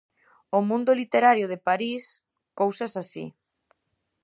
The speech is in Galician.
O mundo literario de París, cousas así.